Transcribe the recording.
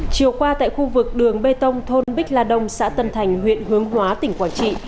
chiều qua tại khu vực đường bê tông thôn bích la đông xã tân thành huyện hướng hóa tỉnh quảng trị